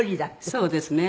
そうですね。